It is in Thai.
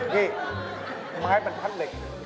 นี่ไม้เป็นทันเหล็ก